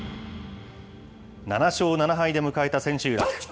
７勝７敗で迎えた千秋楽。